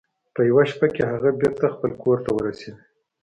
په یوه شیبه کې هغه بیرته خپل کور ته ورسید.